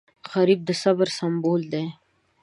غریب د صبر سمبول دی